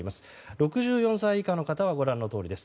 ６４歳以下の方はご覧のとおりです。